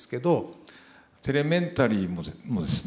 「テレメンタリー」もですね